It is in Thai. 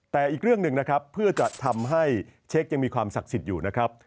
แต่อีกเรื่องหนึ่งนะครับเพื่อจะทำให้เช็คยังมีความศักดิ์สิทธิ์อยู่นะครับ